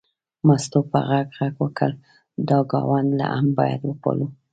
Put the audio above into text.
مستو په غږ غږ وکړ دا ګاونډ هم باید وپالو.